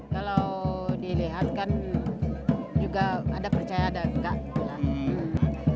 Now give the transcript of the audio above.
kalau dilihat kan juga ada percaya ada nggak